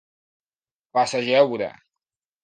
Passa a jeure!